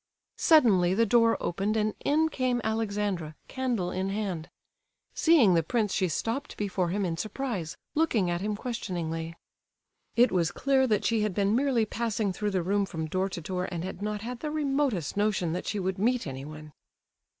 Suddenly the door opened, and in came Alexandra, candle in hand. Seeing the prince she stopped before him in surprise, looking at him questioningly. It was clear that she had been merely passing through the room from door to door, and had not had the remotest notion that she would meet anyone.